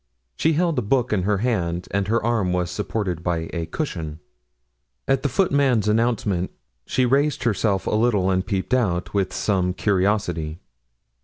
She held a book in her hand and her arm was supported by a cushion. At the footman's announcement she raised herself a little and peeped out, with some curiosity.